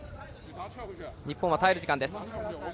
日本は耐える時間です。